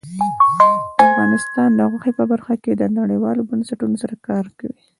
افغانستان د غوښې په برخه کې نړیوالو بنسټونو سره کار کوي.